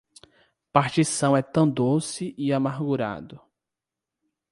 Partição é tão doce e armagurado